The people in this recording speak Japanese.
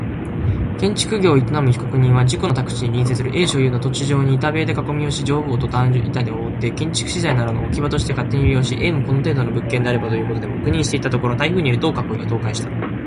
建築業を営む被告人は、自己の宅地に隣接する A 所有の土地上に板塀で囲みをし上部をトタン板で覆って建築資材などの置き場として勝手に利用し、A もこの程度の物件であればと言うことで黙認していたところ、台風により同囲いが倒壊した。